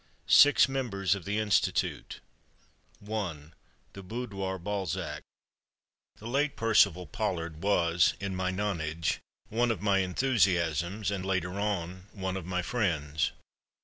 SIX MEMBERS OF THE INSTITUTE 1 The Boudoir Balzac The late Percival Pollard was, in my nonage, one of my enthusiasms, and, later on, one of my friends.